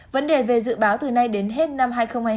vấn đề về dự báo từ nay đến hết năm hai nghìn hai mươi hai